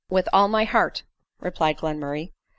" With all my heart," replied Glenmurray.